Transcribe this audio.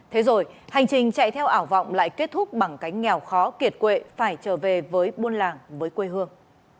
thế rồi hành trình chạy theo ảo vọng lại kết thúc bằng cánh nghèo khó kiệt quệ phải trở về với buôn làng với quê hương